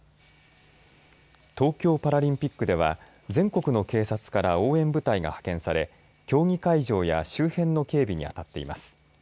東京パラリンピックでは全国の警察から応援部隊が派遣され競技会場や周辺の警備に当たっています。